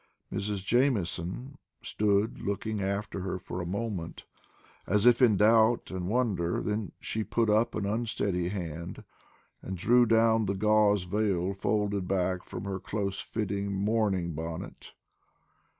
Mrs. Jamieson stood looking after her for a moment, as if in doubt and wonder; then she put up an unsteady hand and drew down the gauze veil folded back from her close fitting mourning bonnet.